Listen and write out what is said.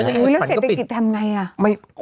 แล้วเศรษฐกิจทำไงอ่ะ